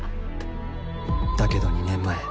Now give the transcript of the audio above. だけど２年前。